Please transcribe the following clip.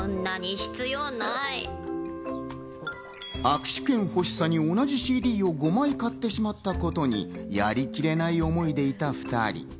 握手券ほしさに同じＣＤを５枚買ってしまったことにやりきれない思いでいた２人。